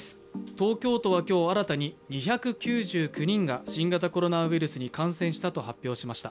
東京都は今日新たに２９９人が新型コロナウイルスに感染したと発表しました。